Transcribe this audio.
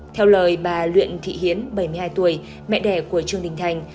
theo lời bà luyện thị hiến bảy mươi hai tuổi mẹ đẻ của trương đình thành